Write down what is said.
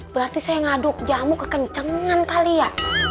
berarti saya ngaduk jamu kekencengan kali ya